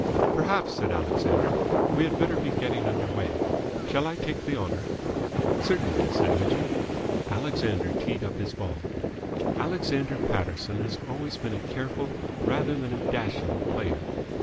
"Perhaps," said Alexander, "we had better be getting under way. Shall I take the honour?" "Certainly," said Mitchell. Alexander teed up his ball. Alexander Paterson has always been a careful rather than a dashing player.